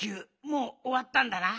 もうおわったんだな。